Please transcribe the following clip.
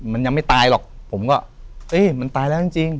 มันยังไม่ตายหรอกผมก็เอ้ยมันตายแล้วจริง